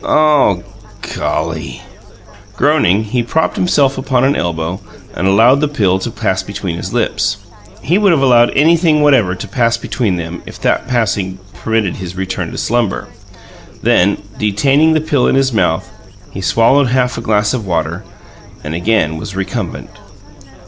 "Oh, GOLLY!" Groaning, he propped himself upon an elbow and allowed the pill to pass between his lips. (He would have allowed anything whatever to pass between them, if that passing permitted his return to slumber.) Then, detaining the pill in his mouth, he swallowed half a glass of water, and again was recumbent.